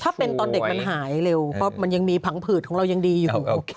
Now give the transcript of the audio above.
ถ้าเป็นตอนเด็กมันหายเร็วเพราะมันยังมีผังผืดของเรายังดีอยู่